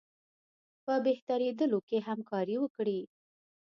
په بهترېدلو کې همکاري وکړي.